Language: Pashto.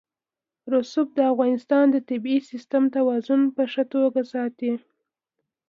رسوب د افغانستان د طبعي سیسټم توازن په ښه توګه ساتي.